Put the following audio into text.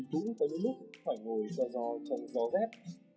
nhưng cũng có lúc phải ngồi cho gió chậu gió rét